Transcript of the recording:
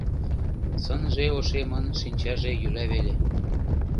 Сынже ошемын, шинчаже йӱла веле.